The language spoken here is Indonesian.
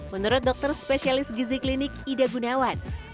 menurut dokter spesialis gizi klinik ida gunawan